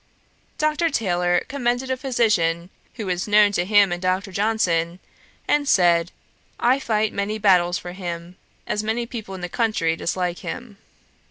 Dr. Taylor commended a physician who was known to him and Dr. Johnson, and said, 'I fight many battles for him, as many people in the country dislike him.'